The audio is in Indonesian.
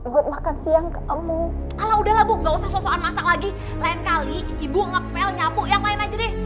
buat makan siang kamu ala udahlah bukau soal masak lagi lain kali ibu ngepel nyapu yang lain aja deh